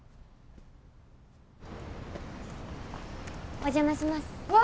お邪魔します。わ！